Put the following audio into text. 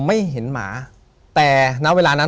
ถูกต้องไหมครับถูกต้องไหมครับ